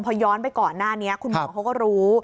พอย้อนไปก่อนหน้านี้คุณหมอเขาก็รู้